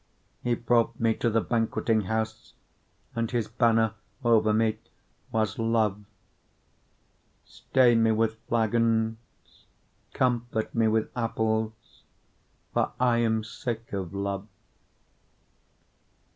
2:4 He brought me to the banqueting house, and his banner over me was love. 2:5 Stay me with flagons, comfort me with apples: for I am sick of love.